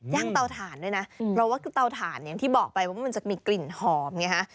เตาถ่านด้วยนะเพราะว่าคือเตาถ่านอย่างที่บอกไปว่ามันจะมีกลิ่นหอมไงฮะ